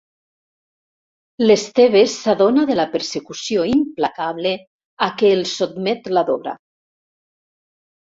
L'Esteve s'adona de la persecució implacable a què el sotmet la Dora.